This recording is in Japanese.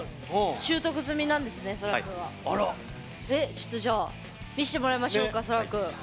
ちょっとじゃあ見してもらいましょうかそらくん。